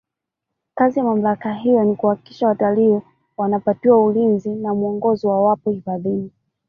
kazi ya mamlaka hiyo ni kuhakikisha watalii wanapata ulinzi na mwongozo wawapo hifadhini